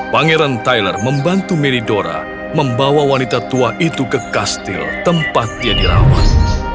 pangeran tyler membantu meridora membawa wanita tua itu ke kastil tempat dia dirawat